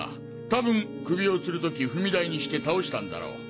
多分首を吊る時踏み台にして倒したんだろう。